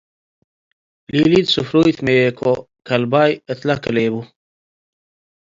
ሊሊት ስፍሩይ ትመዬኮ - ከልባይ እትለከሌቡ